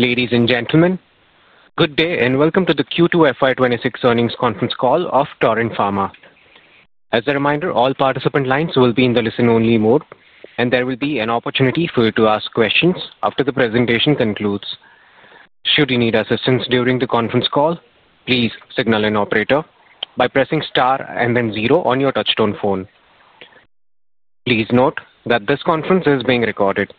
Ladies and gentlemen, good day and welcome to the Q2 FY26 earnings conference call of Torrent Pharma. As a reminder, all participant lines will be in the listen-only mode, and there will be an opportunity for you to ask questions after the presentation concludes. Should you need assistance during the conference call, please signal an operator by pressing star and then zero on your touchstone phone. Please note that this conference is being recorded.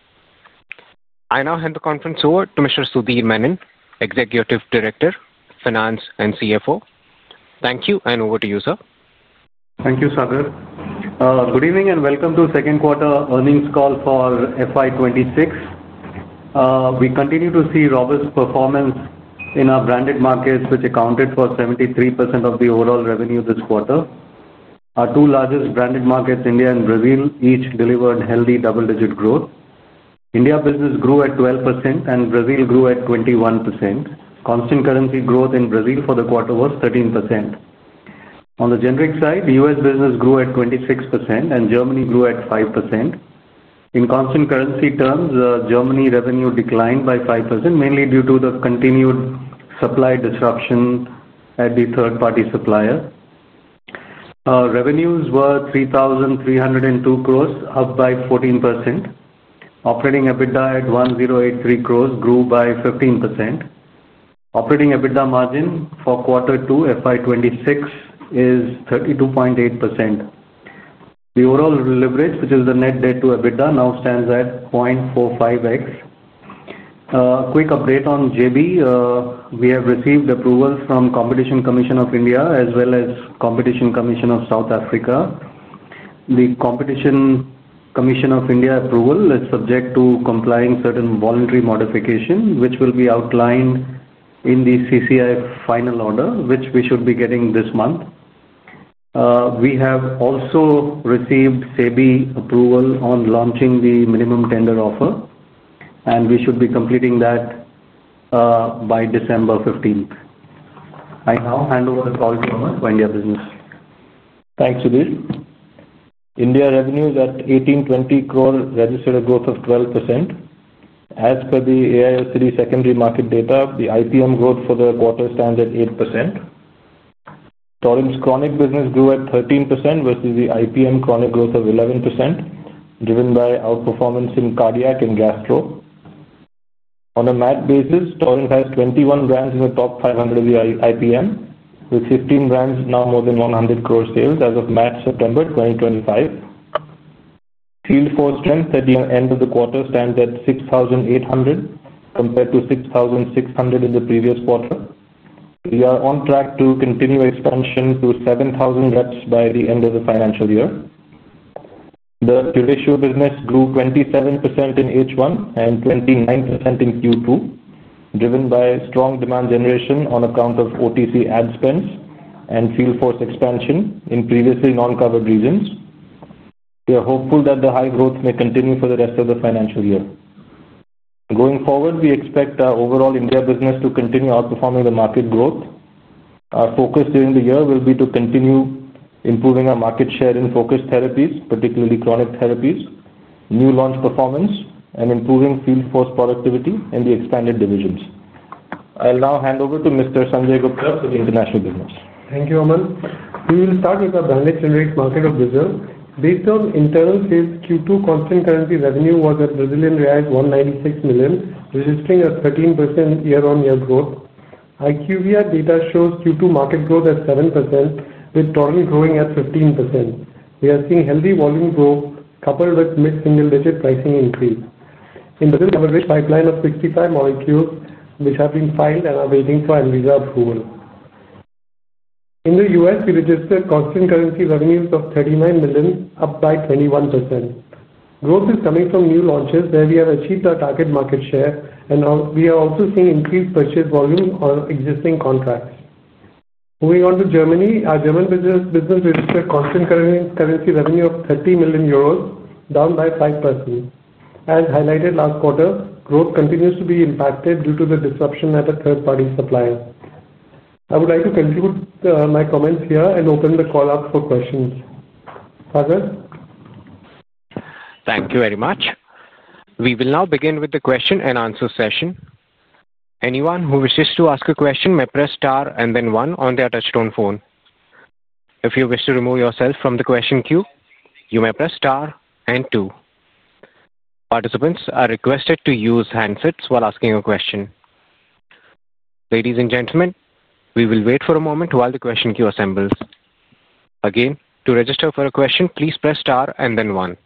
I now hand the conference over to Mr. Sudhir Menon, Executive Director, Finance and CFO. Thank you, and over to you, sir. Thank you, Sadhar. Good evening and welcome to the second quarter earnings call for FY 2026. We continue to see robust performance in our branded markets, which accounted for 73% of the overall revenue this quarter. Our two largest branded markets, India and Brazil, each delivered healthy double-digit growth. India business grew at 12%, and Brazil grew at 21%. Constant currency growth in Brazil for the quarter was 13%. On the generic side, U.S. business grew at 26%, and Germany grew at 5%. In constant currency terms, Germany's revenue declined by 5%, mainly due to the continued supply disruption at the third-party supplier. Revenues were 3,302 crores, up by 14%. Operating EBITDA at 1,083 crores grew by 15%. Operating EBITDA margin for quarter two FY 2026 is 32.8%. The overall leverage, which is the net debt to EBITDA, now stands at 0.45x. A quick update on JB. We have received approval from the Competition Commission of India as well as the Competition Commission of South Africa. The Competition Commission of India approval is subject to complying with certain voluntary modifications, which will be outlined in the CCI final order, which we should be getting this month. We have also received SEBI approval on launching the minimum tender offer, and we should be completing that by December 15th. I now hand over the call to Aman for India business. Thanks, Sudhir. India revenues at 1,820 crores registered a growth of 12%. As per the AWACS IQVIA secondary market data, the IPM growth for the quarter stands at 8%. Torrent's chronic business grew at 13% versus the IPM chronic growth of 11%, driven by outperformance in cardiac and gastro. On a MAT basis, Torrent has 21 brands in the top 500 of the IPM, with 15 brands now more than 100 crore sales as of MAT September 2025. Field force strength at the end of the quarter stands at 6,800 compared to 6,600 in the previous quarter. We are on track to continue expansion to 7,000 reps by the end of the financial year. The Q2 business grew 27% in H1 and 29% in Q2, driven by strong demand generation on account of OTC ad spends and field force expansion in previously non-covered regions. We are hopeful that the high growth may continue for the rest of the financial year. Going forward, we expect our overall India business to continue outperforming the market growth. Our focus during the year will be to continue improving our market share in focused therapies, particularly chronic therapies, new launch performance, and improving field force productivity in the expanded divisions. I'll now hand over to Mr. Sanjay Gupta for the international business. Thank you, Aman. We will start with the branded generic market of Brazil. Based on internal sales, Q2 constant currency revenue was at Brazilian reais 196 million, registering a 13% year-on-year growth. IQVIA data shows Q2 market growth at 7%, with Torrent growing at 15%. We are seeing healthy volume growth coupled with mid-single-digit pricing increase. In Brazil, we have a rich pipeline of 65 molecules which have been filed and are waiting for ANVISA approval. In the U.S., we registered constant currency revenues of $39 million, up by 21%. Growth is coming from new launches where we have achieved our target market share, and we are also seeing increased purchase volume on existing contracts. Moving on to Germany, our German business registered constant currency revenue of 30 million euros, down by 5%. As highlighted last quarter, growth continues to be impacted due to the disruption at a third-party supplier. I would like to conclude my comments here and open the call up for questions. Sadhar? Thank you very much. We will now begin with the question-and-answer session. Anyone who wishes to ask a question may press star and then one on their touchstone phone. If you wish to remove yourself from the question queue, you may press star and two. Participants are requested to use handsets while asking a question. Ladies and gentlemen, we will wait for a moment while the question queue assembles. Again, to register for a question, please press star and then one.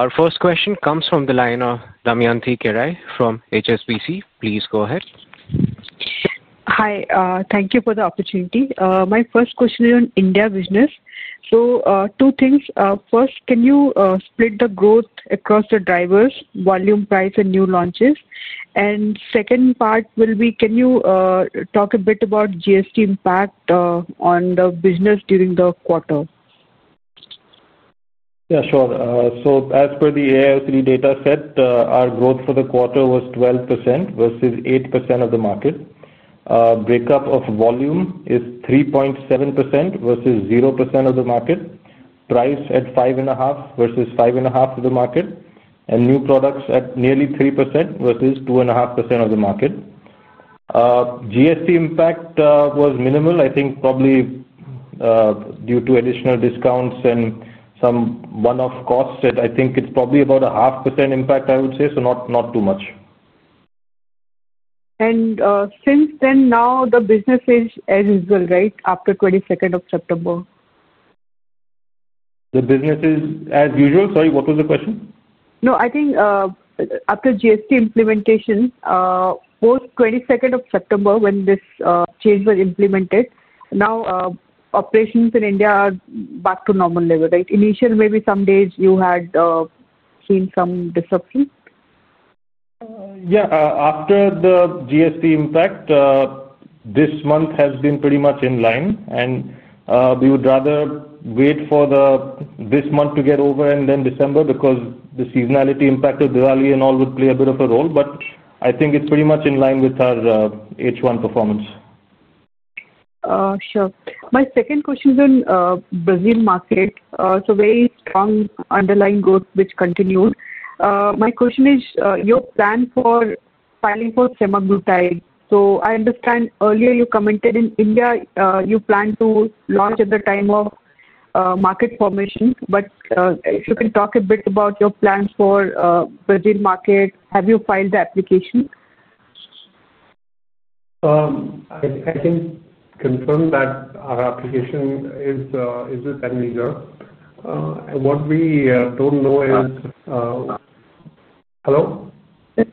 Our first question comes from the line of Damyanti Kerai from HSBC. Please go ahead. Hi, thank you for the opportunity. My first question is on India business. Two things. First, can you split the growth across the drivers, volume, price, and new launches? The second part will be, can you talk a bit about GST impact on the business during the quarter? Yeah, sure. As per the AWACS IQVIA dataset, our growth for the quarter was 12% versus 8% of the market. Breakup of volume is 3.7% versus 0% of the market. Price at 5.5% versus 5.5% of the market. New products at nearly 3% versus 2.5% of the market. GST impact was minimal, I think probably due to additional discounts and some one-off costs. I think it's probably about a 0.5% impact, I would say, so not too much. Since then, now the business is as usual, right, after 22nd of September? The business is as usual? Sorry, what was the question? No, I think after GST implementation, post 22nd of September when this change was implemented, now operations in India are back to normal level, right? Initially, maybe some days you had seen some disruption. Yeah, after the GST impact, this month has been pretty much in line. We would rather wait for this month to get over and then December because the seasonality impact of Diwali and all would play a bit of a role. I think it's pretty much in line with our H1 performance. Sure. My second question is on Brazil market. Very strong underlying growth, which continues. My question is, your plan for filing for semaglutide. I understand earlier you commented in India you plan to launch at the time of market formation. If you can talk a bit about your plans for Brazil market, have you filed the application? I can confirm that our application is with ANVISA. What we don't know is hello?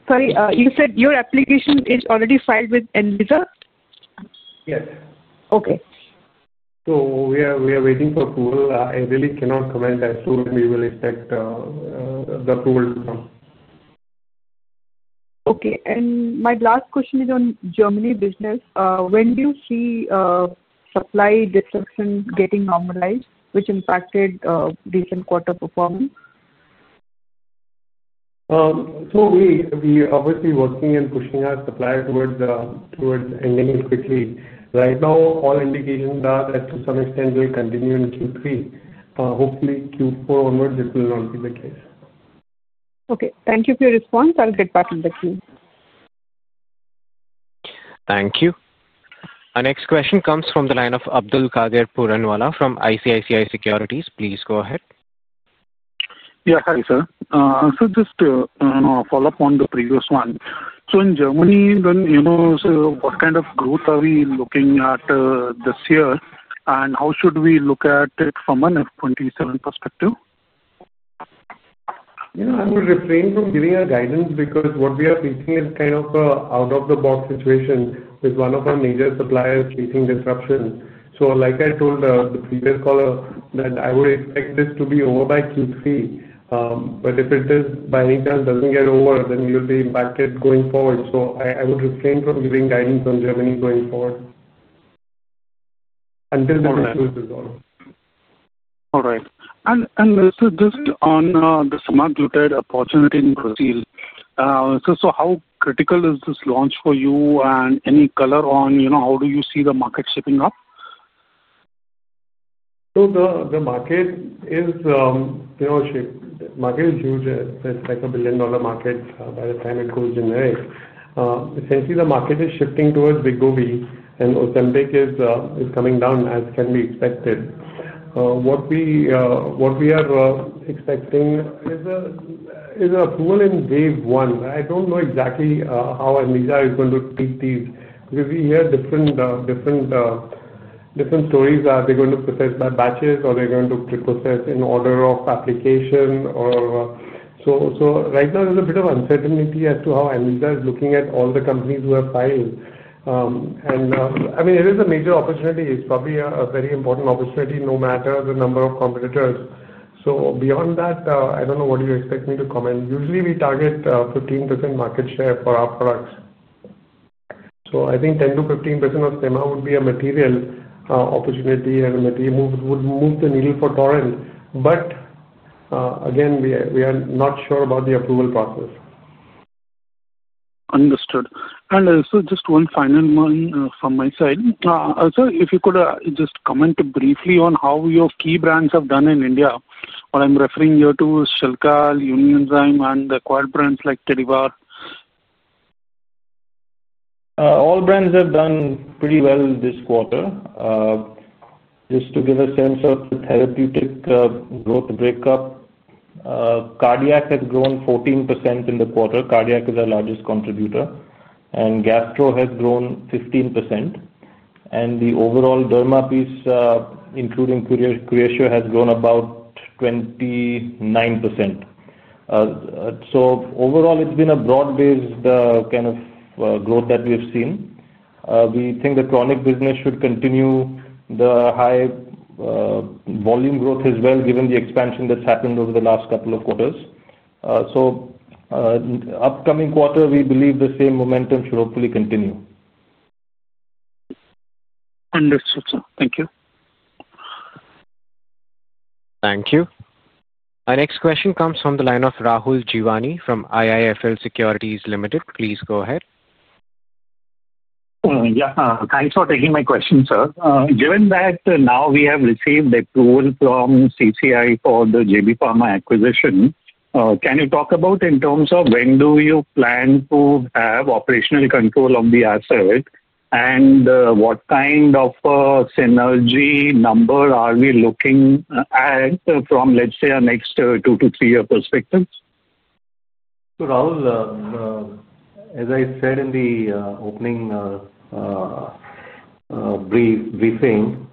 Sorry, you said your application is already filed with ANVISA? Yes. Okay. We are waiting for approval. I really cannot comment. I assume we will expect the approval to come. Okay. My last question is on Germany business. When do you see supply disruption getting normalized, which impacted recent quarter performance? We are obviously working and pushing our supplier towards ending it quickly. Right now, all indications are that to some extent it will continue in Q3. Hopefully, Q4 onwards, it will not be the case. Okay. Thank you for your response. I'll get back to the queue. Thank you. Our next question comes from the line of Abdulkader Puranwala from ICICI Securities. Please go ahead. Yeah, sorry, sir. Just to follow up on the previous one. In Germany, what kind of growth are we looking at this year, and how should we look at it from an FY 2027 perspective? I would refrain from giving a guidance because what we are facing is kind of an out-of-the-box situation with one of our major suppliers facing disruption. Like I told the previous caller, I would expect this to be over by Q3. If it does, by any chance, not get over, then we will be impacted going forward. I would refrain from giving guidance on Germany going forward until the issue is resolved. All right. Just on the semaglutide opportunity in Brazil, how critical is this launch for you and any color on how do you see the market shaping up? The market is, you know, market is huge. It's like a billion-dollar market by the time it goes generic. Essentially, the market is shifting towards Wegovy, and Ozempic is coming down, as can be expected. What we are expecting is an approval in wave one. I don't know exactly how ANVISA is going to take these. We hear different stories: are they going to process by batches, or are they going to process in order of application? Right now, there's a bit of uncertainty as to how ANVISA is looking at all the companies who have filed. I mean, it is a major opportunity. It's probably a very important opportunity no matter the number of competitors. Beyond that, I don't know what you expect me to comment. Usually, we target 15% market share for our products. I think 10%-15% of SEMA would be a material opportunity and would move the needle for Torrent. Again, we are not sure about the approval process. Understood. And so just one final one from my side. Also, if you could just comment briefly on how your key brands have done in India. What I'm referring here to is Shellcal, Unionzyme, and acquired brands like TEVAR. All brands have done pretty well this quarter. Just to give a sense of the therapeutic growth breakup, cardiac has grown 14% in the quarter. Cardiac is our largest contributor. Gastro has grown 15%. The overall derma piece, including curation, has grown about 29%. Overall, it has been a broad-based kind of growth that we have seen. We think the chronic business should continue. The high volume growth is well, given the expansion that has happened over the last couple of quarters. For the upcoming quarter, we believe the same momentum should hopefully continue. Understood, sir. Thank you. Thank you. Our next question comes from the line of Rahul Jeevani from IIFL Securities Limited. Please go ahead. Yeah, thanks for taking my question, sir. Given that now we have received approval from CCI for the JB Pharma acquisition, can you talk about in terms of when do you plan to have operational control of the asset and what kind of synergy number are we looking at from, let's say, our next two- to three-year perspective? Rahul, as I said in the opening briefing,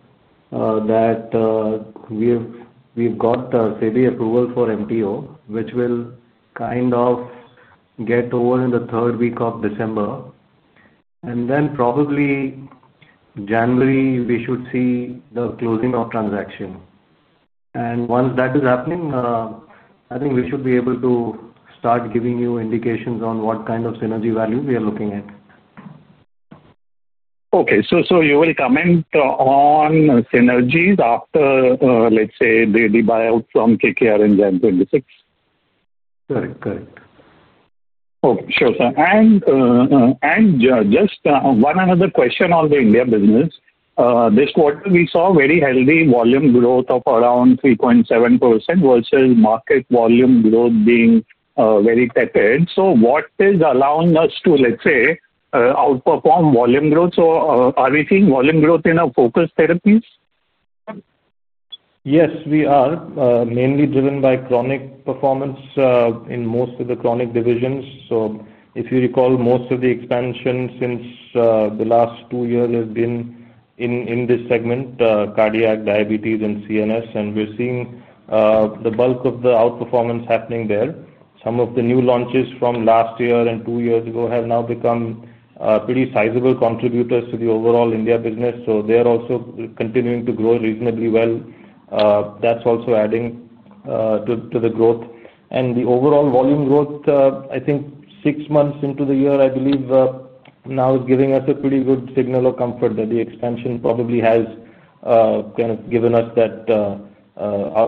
that we've got CCI approval for MTO, which will kind of get over in the third week of December. Probably January, we should see the closing of transaction. Once that is happening, I think we should be able to start giving you indications on what kind of synergy value we are looking at. Okay. So you will comment on synergies after, let's say, the buyout from KKR in January 2026? Correct. Correct. Oh, sure, sir. Just one other question on the India business. This quarter, we saw very healthy volume growth of around 3.7% versus market volume growth being very tepid. What is allowing us to, let's say, outperform volume growth? Are we seeing volume growth in our focused therapies? Yes, we are mainly driven by chronic performance in most of the chronic divisions. If you recall, most of the expansion since the last two years has been in this segment, cardiac, diabetes, and CNS. We are seeing the bulk of the outperformance happening there. Some of the new launches from last year and two years ago have now become pretty sizable contributors to the overall India business. They are also continuing to grow reasonably well. That is also adding to the growth. The overall volume growth, I think six months into the year, I believe, now is giving us a pretty good signal of comfort that the expansion probably has kind of given us that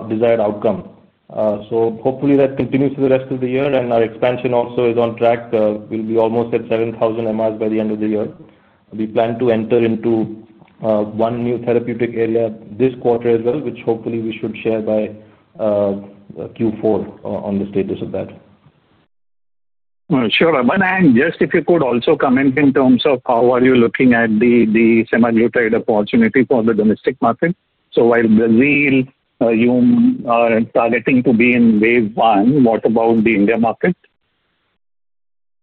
desired outcome. Hopefully, that continues for the rest of the year. Our expansion also is on track. We will be almost at 7,000 MRs by the end of the year. We plan to enter into one new therapeutic area this quarter as well, which hopefully we should share by Q4 on the status of that. Sure. If you could also comment in terms of how are you looking at the semaglutide opportunity for the domestic market? While Brazil and you are targeting to be in wave one, what about the India market?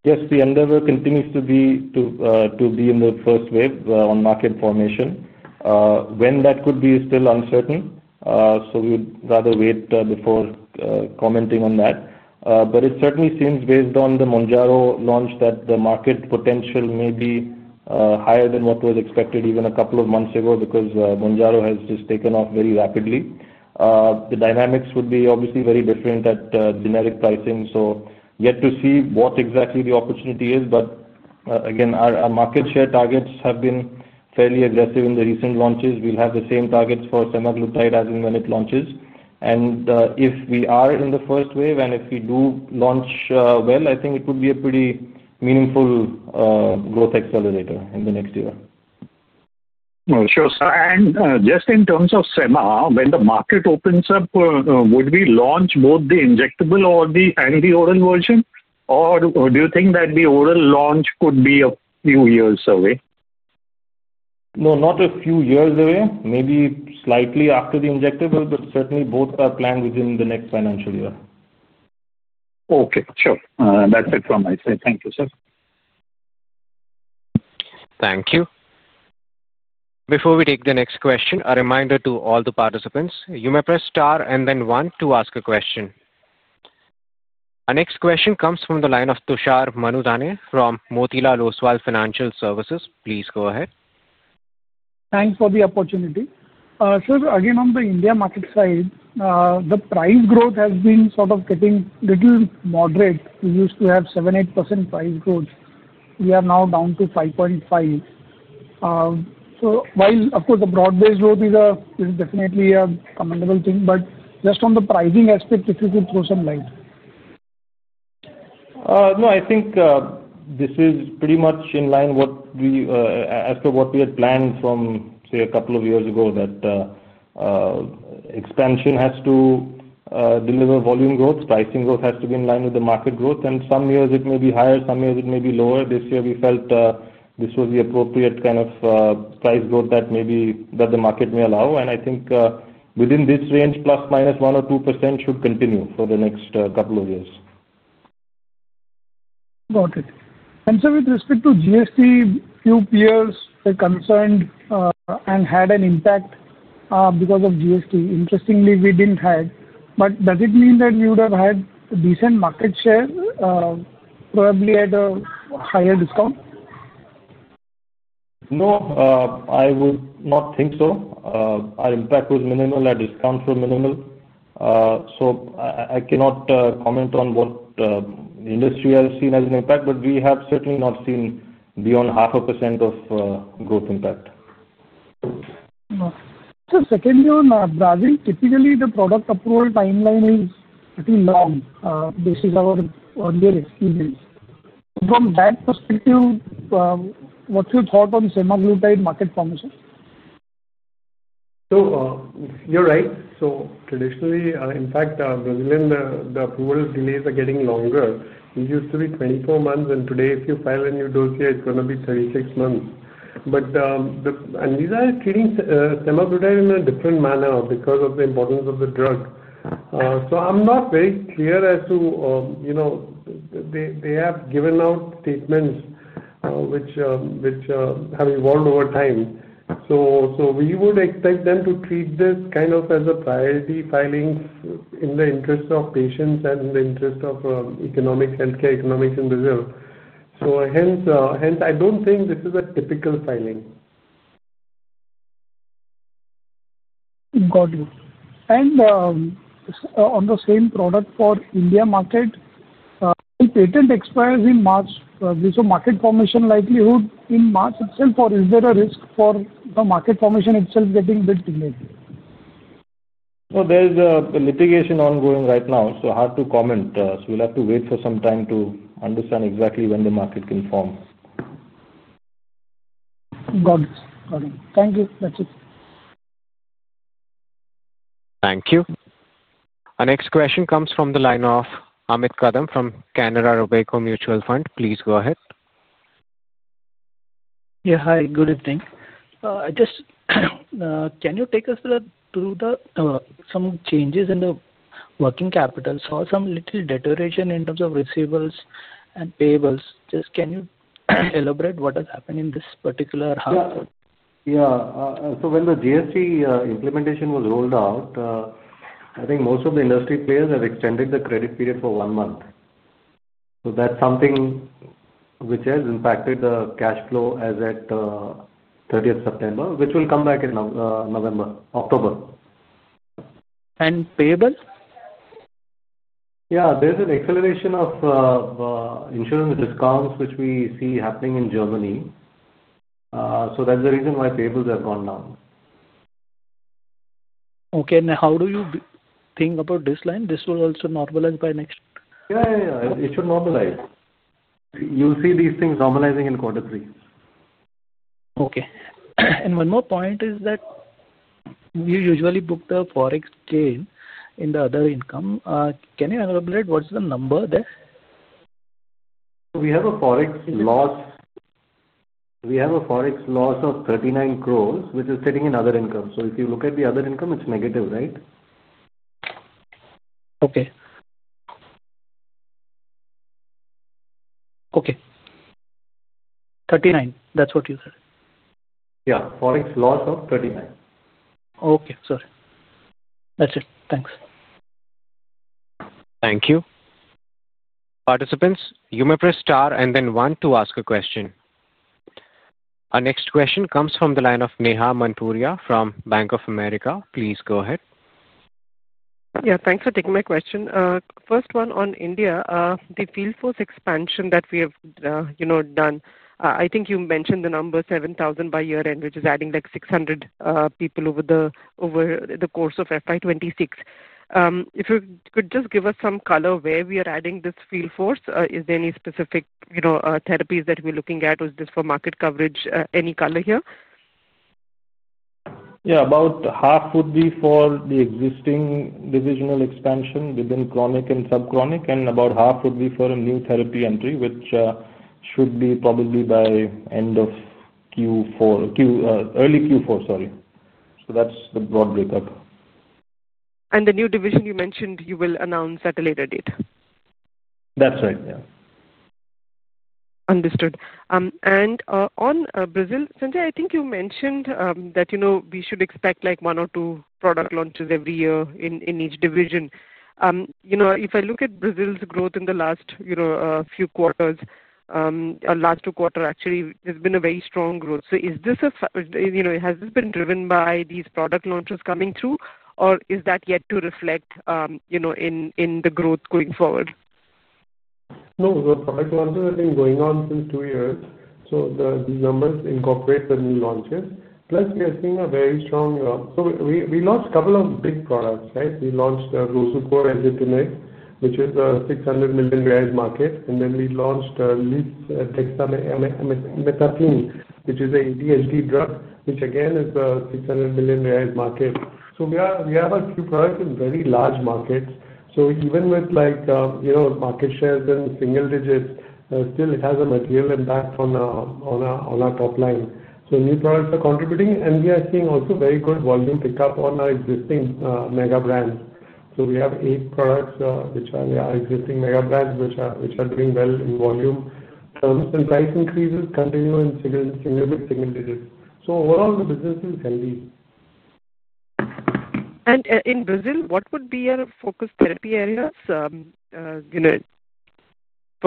Yes, the underworld continues to be in the first wave on market formation. When that could be is still uncertain. We would rather wait before commenting on that. It certainly seems based on the Mounjaro launch that the market potential may be higher than what was expected even a couple of months ago because Mounjaro has just taken off very rapidly. The dynamics would be obviously very different at generic pricing. Yet to see what exactly the opportunity is. Our market share targets have been fairly aggressive in the recent launches. We will have the same targets for semaglutide as and when it launches. If we are in the first wave and if we do launch well, I think it would be a pretty meaningful growth accelerator in the next year. Sure. Just in terms of SEMA, when the market opens up, would we launch both the injectable or the anti-oral version or do you think that the oral launch could be a few years away? No, not a few years away. Maybe slightly after the injectable, but certainly both are planned within the next financial year. Okay. Sure. That's it from my side. Thank you, sir. Thank you. Before we take the next question, a reminder to all the participants. You may press star and then one to ask a question. Our next question comes from the line of Tushar Manudhane from Motilal Oswal Financial Services. Please go ahead. Thanks for the opportunity. Sir, again, on the India market side, the price growth has been sort of getting a little moderate. We used to have 7%-8% price growth. We are now down to 5.5%. While, of course, the broad-based growth is definitely a commendable thing, just on the pricing aspect, if you could throw some light. No, I think this is pretty much in line as to what we had planned from, say, a couple of years ago that expansion has to deliver volume growth. Pricing growth has to be in line with the market growth. Some years it may be higher. Some years it may be lower. This year we felt this was the appropriate kind of price growth that maybe the market may allow. I think within this range, plus minus 1% or 2% should continue for the next couple of years. Got it. With respect to GST, few peers were concerned and had an impact because of GST. Interestingly, we did not have. Does it mean that we would have had a decent market share probably at a higher discount? No, I would not think so. Our impact was minimal, our discount was minimal. I cannot comment on what industry has seen as an impact, but we have certainly not seen beyond 0.5% of growth impact. Secondly, on browsing, typically the product approval timeline is pretty long, this is our earlier experience. From that perspective, what's your thought on semaglutide market formation? You're right. Traditionally, in fact, Brazilian approval delays are getting longer. It used to be 24 months, and today if you file a new dose here, it's going to be 36 months. ANVISA is treating semaglutide in a different manner because of the importance of the drug. I'm not very clear as to they have given out statements which have evolved over time. We would expect them to treat this kind of as a priority filing in the interest of patients and in the interest of healthcare economics in Brazil. Hence, I don't think this is a typical filing. Got it. On the same product for India market, the patent expires in March. Market formation likelihood in March itself, or is there a risk for the market formation itself getting a bit delayed? There's a litigation ongoing right now. So hard to comment. We'll have to wait for some time to understand exactly when the market can form. Got it. Got it. Thank you. That's it. Thank you. Our next question comes from the line of Amit Kadam from Robeco. Please go ahead. Yeah. Hi. Good evening. Just can you take us through some changes in the working capital? Saw some little deterioration in terms of receivables and payables. Just can you elaborate what has happened in this particular half? Yeah. When the GST implementation was rolled out, I think most of the industry players have extended the credit period for one month. That is something which has impacted the cash flow as at 30th September, which will come back in October. And payables? Yeah. There is an acceleration of insurance discounts which we see happening in Germany. That is the reason why payables have gone down. Okay. How do you think about this line? This will also normalize by next? Yeah, yeah. It should normalize. You'll see these things normalizing in quarter three. Okay. One more point is that you usually book the forex gain in the other income. Can you elaborate what's the number there? We have a forex loss of 39 crores, which is sitting in other income. If you look at the other income, it's negative, right? Okay. Okay, 39 crores, that's what you said. Yeah. Forex loss of 39 crores. Okay. Sorry. That's it. Thanks. Thank you. Participants, you may press star and then one to ask a question. Our next question comes from the line of Neha Manpuria from Bank of America. Please go ahead. Yeah. Thanks for taking my question. First one on India, the field force expansion that we have done, I think you mentioned the number 7,000 by year-end, which is adding like 600 people over the course of FY 2026. If you could just give us some color where we are adding this field force, is there any specific therapies that we're looking at? Was this for market coverage? Any color here? Yeah. About half would be for the existing divisional expansion within chronic and sub-chronic, and about half would be for a new therapy entry, which should be probably by early Q4, sorry. That is the broad breakup. The new division you mentioned, you will announce at a later date? That's right. Yeah. Understood. On Brazil, Sanjay, I think you mentioned that we should expect one or two product launches every year in each division. If I look at Brazil's growth in the last few quarters, last two quarters, actually, there has been very strong growth. Is this, has this been driven by these product launches coming through, or is that yet to reflect in the growth going forward? No, the product launches have been going on since two years. So these numbers incorporate the new launches. Plus, we are seeing a very strong so we launched a couple of big products, right? We launched Rosucor and Zitinet, which is a BRL 600 million market. And then we launched Dexamethasone, which is an ADHD drug, which again is a 600 million market. So we have a few products in very large markets. So even with market shares in single digits, still it has a material impact on our top line. So new products are contributing, and we are seeing also very good volume pickup on our existing mega brands. So we have eight products which are existing mega brands which are doing well in volume. Terms and price increases continue in single digits. So overall, the business is healthy. In Brazil, what would be your focus therapy areas for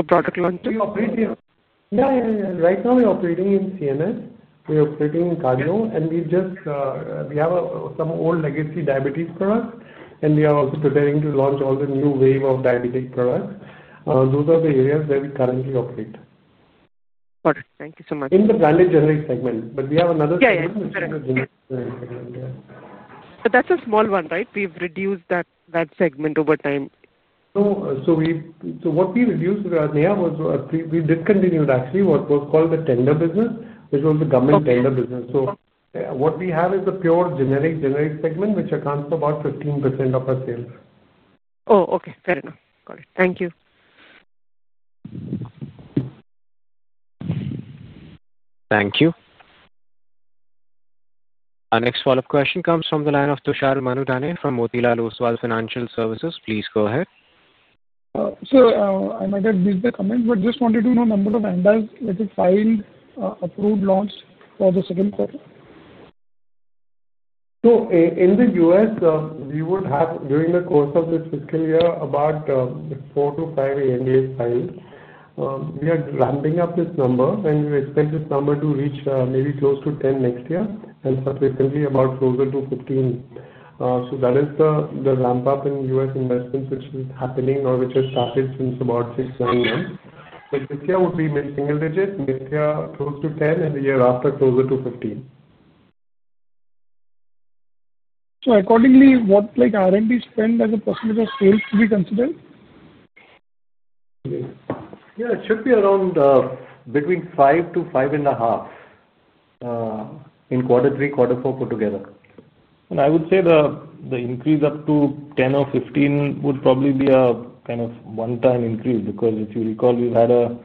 product launch? Yeah, right now, we're operating in CNS. We're operating in cardio, and we have some old legacy diabetes products, and we are also preparing to launch all the new wave of diabetic products. Those are the areas where we currently operate. Got it. Thank you so much. In the branded generic segment, we have another segment. Yeah. Yeah. That's a small one, right? We've reduced that segment over time. What we reduced, Neha, was we discontinued actually what was called the tender business, which was the government tender business. What we have is the pure generic generic segment, which accounts for about 15% of our sales. Oh, okay. Fair enough. Got it. Thank you. Thank you. Our next follow-up question comes from the line of Tushar Manudane from Motilal Oswal Financial Services. Please go ahead. Sir, I might have missed the comment, but just wanted to know the number of ANDAs that have filed approved launch for the second quarter. In the U.S., we would have during the course of this fiscal year about four to five year-end files. We are ramping up this number, and we expect this number to reach maybe close to 10% next year, and subsequently about closer to 15. That is the ramp-up in U.S. investments which is happening or which has started since about six to nine months. This year would be mid-single digit, mid-year close to 10%, and the year after closer to 15%. Accordingly, what R&D spend as a percentage of sales should be considered? Yeah. It should be around between 5%-5.5% in quarter three, quarter four put together. I would say the increase up to 10% or 15% would probably be a kind of one-time increase because if you recall, we've had a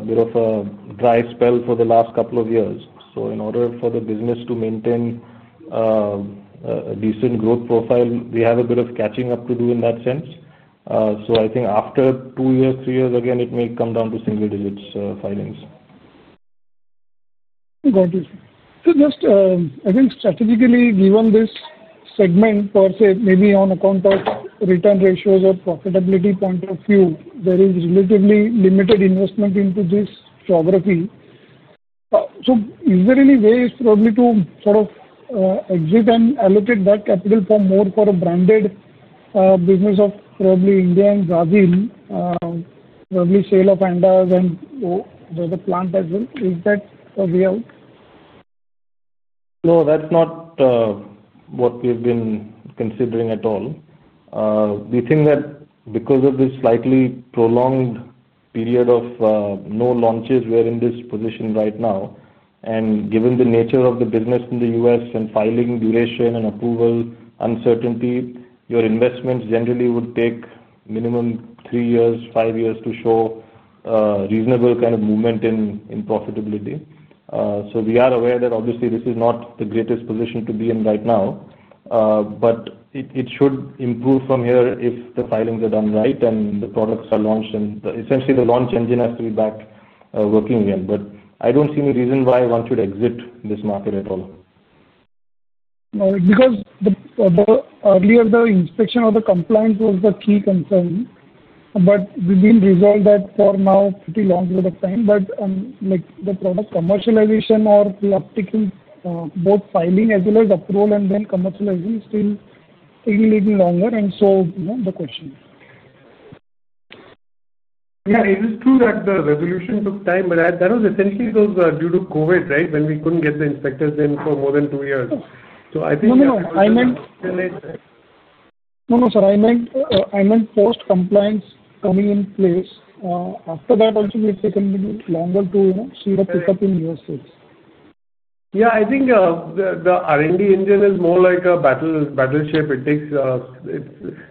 bit of a dry spell for the last couple of years. In order for the business to maintain a decent growth profile, we have a bit of catching up to do in that sense. I think after two years, three years, again, it may come down to single digits filings. Got it. Just again, strategically given this segment, per se, maybe on account of return ratios or profitability point of view, there is relatively limited investment into this geography. Is there any way probably to sort of exit and allocate that capital more for a branded business of probably India and Brazil, probably sale of ANDAs and the plant as well? Is that a way out? No, that's not what we've been considering at all. We think that because of this slightly prolonged period of no launches, we're in this position right now. Given the nature of the business in the U.S. and filing duration and approval uncertainty, your investment generally would take minimum three years, five years to show reasonable kind of movement in profitability. We are aware that obviously this is not the greatest position to be in right now, but it should improve from here if the filings are done right and the products are launched. Essentially, the launch engine has to be back working again. I don't see any reason why one should exit this market at all. Got it. Because earlier, the inspection of the compliance was the key concern, but we've resolved that for now, pretty long period of time. The product commercialization or the optical, both filing as well as approval and then commercialization, is still taking a little longer the question. Yeah. It is true that the resolution took time, but that was essentially due to COVID, right, when we could not get the inspectors in for more than two years. No, no, sir. I meant post-compliance coming in place. After that, obviously, it's taken a little longer to see the pickup in U.S. sales. Yeah. I think the R&D engine is more like a battleship. It takes,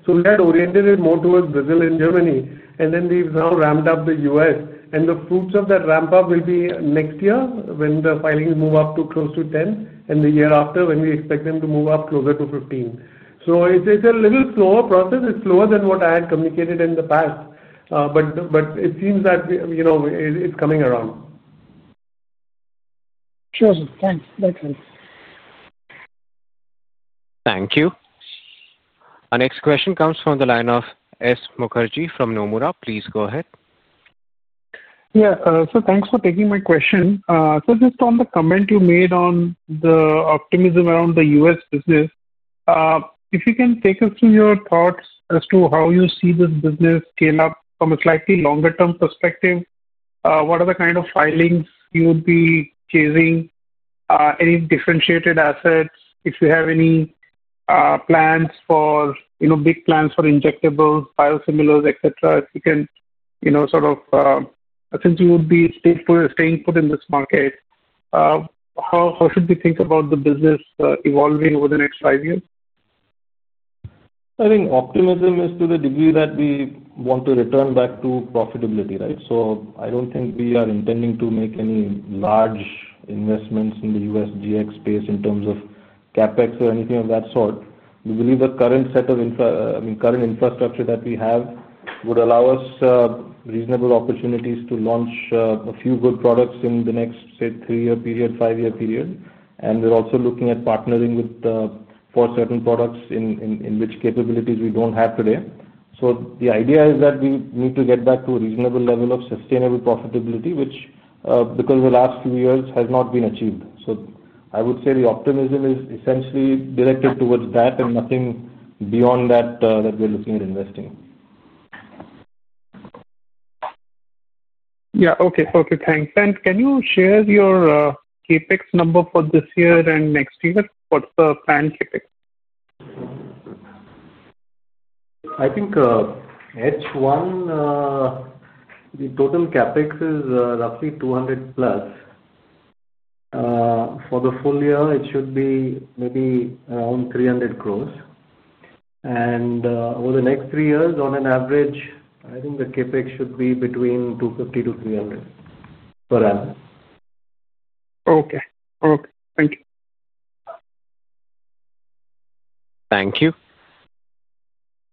so we had oriented it more towards Brazil and Germany, and then we've now ramped up the U.S. The fruits of that ramp-up will be next year when the filings move up to close to 10, and the year after, when we expect them to move up closer to 15. It is a little slower process. It is slower than what I had communicated in the past, but it seems that it is coming around. Sure. Thanks. That's fine. Thank you. Our next question comes from the line of S. Mukherjee from Nomura. Please go ahead. Yeah. Thanks for taking my question. Just on the comment you made on the optimism around the U.S. business, if you can take us through your thoughts as to how you see this business scale up from a slightly longer-term perspective, what are the kind of filings you would be chasing, any differentiated assets, if you have any big plans for injectables, biosimilars, etc., if you can sort of, since you would be staying put in this market, how should we think about the business evolving over the next five years? I think optimism is to the degree that we want to return back to profitability, right? I do not think we are intending to make any large investments in the U.S. GX space in terms of CapEx or anything of that sort. We believe the current infrastructure that we have would allow us reasonable opportunities to launch a few good products in the next, say, three-year period, five-year period. We are also looking at partnering with, four certain products in which capabilities we do not have today. The idea is that we need to get back to a reasonable level of sustainable profitability, which, because the last few years has not been achieved. I would say the optimism is essentially directed towards that and nothing beyond that that we are looking at investing. Yeah. Okay. Perfect. Thanks. Can you share your CapEx number for this year and next year? What's the planned CapEx? I think H1, the total CapEx is roughly 200 crores plus. For the full year, it should be maybe around 300 crores. Over the next three years, on an average, I think the CapEx should be between 250 crores-300 crores per annum. Okay. Okay. Thank you. Thank you.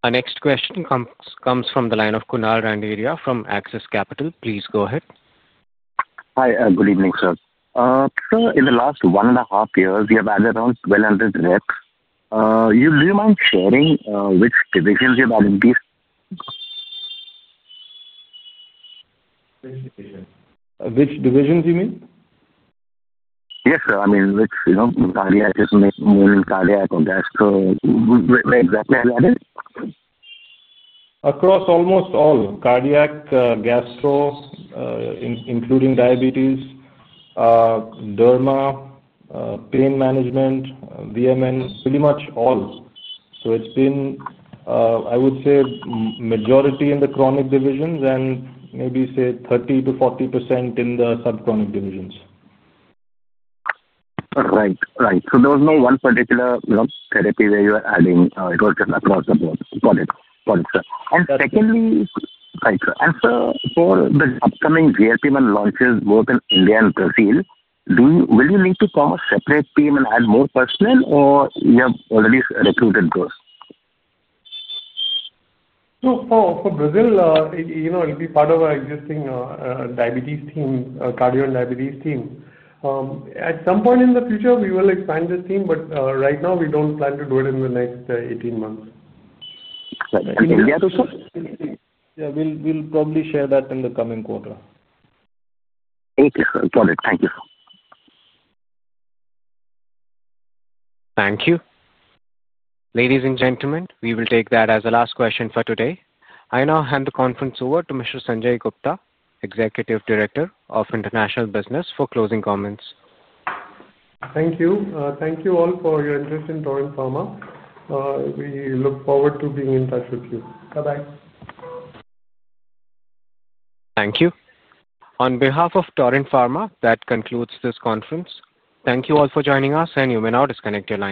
Our next question comes from the line of Kunal Randeria from Axis Capital. Please go ahead. Hi. Good evening, sir. In the last one and a half years, we have had around 1,200 reps. Do you mind sharing which divisions you've added these? Which divisions you mean? Yes, sir. I mean, which cardiac, just main cardiac or gastro? Exactly as added? Across almost all. Cardiac, gastro, including diabetes, derma, pain management, VMN, pretty much all. It's been, I would say, majority in the chronic divisions and maybe, say, 30%-40% in the sub-chronic divisions. Right. Right. So there was no one particular therapy where you are adding. It was just across the board. Got it. Got it, sir. Secondly, sir, for the upcoming GLP-1 launches both in India and Brazil, will you need to form a separate team and add more personnel, or have you already recruited those? For Brazil, it'll be part of our existing diabetes team, cardio and diabetes team. At some point in the future, we will expand this team, but right now, we don't plan to do it in the next 18 months. Excellent. India, too? Yeah. We'll probably share that in the coming quarter. Thank you. Got it. Thank you. Thank you. Ladies and gentlemen, we will take that as the last question for today. I now hand the conference over to Mr. Sanjay Gupta, Executive Director of International Business, for closing comments. Thank you. Thank you all for your interest in Torrent Pharma. We look forward to being in touch with you. Bye-bye. Thank you. On behalf of Torrent Pharma, that concludes this conference. Thank you all for joining us, and you may now disconnect.